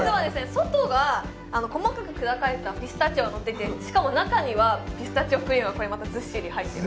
外が細かく砕かれたピスタチオがのっててしかも中にはピスタチオクリームがこれまたずっしり入ってます